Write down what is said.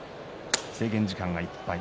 制限時間いっぱい。